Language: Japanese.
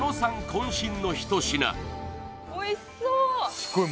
こん身のひと品おいしそう！